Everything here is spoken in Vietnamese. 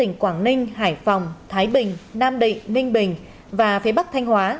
hải phòng thái bình nam định ninh bình và phía bắc thanh hóa